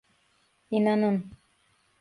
İnanın.